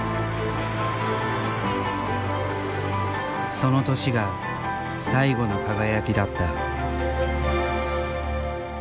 その年が最後の輝きだった。